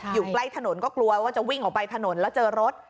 อยู่ใกล้ถนนก็กลัวว่าจะวิ่งออกไปถนนแล้วเจอรถ